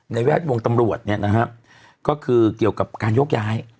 แวดวงตำรวจเนี่ยนะฮะก็คือเกี่ยวกับการโยกย้าย